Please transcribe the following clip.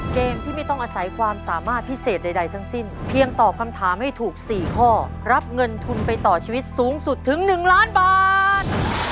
เกมที่ไม่ต้องอาศัยความสามารถพิเศษใดทั้งสิ้นเพียงตอบคำถามให้ถูก๔ข้อรับเงินทุนไปต่อชีวิตสูงสุดถึง๑ล้านบาท